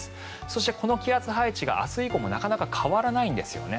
そして、この気圧配置が明日以降もなかなか変わらないんですね。